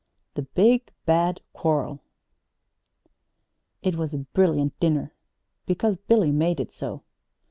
THE BIG BAD QUARREL It was a brilliant dinner because Billy made it so.